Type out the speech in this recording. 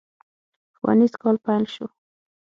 ښوونيز کال پيل شو.